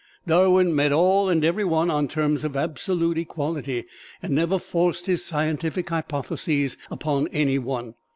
Darwin met all and every one on terms of absolute equality, and never forced his scientific hypotheses upon any one.